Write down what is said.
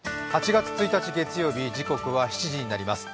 ８月１日月曜日、時刻は７時になります。